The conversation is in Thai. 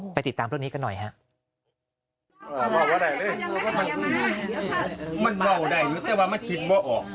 ไปติดตามตัวนี้กันหน่อยครับ